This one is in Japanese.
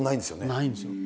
ないんですよ。